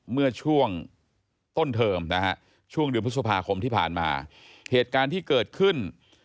เมื่อช่วงต้นเทอมนะฮะช่วงเดือนพฤษภาคมที่ผ่านมาเหตุการณ์ที่เกิดขึ้น